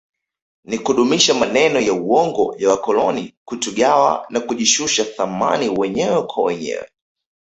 Ni kudumisha maneno ya uongo ya wakoloni kutugawa na kujishusha thamani wenyewe kwa wenyewe